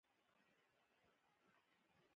د سړکونو ښه ترمیم د ښاري پرمختګ ښکارندویي کوي.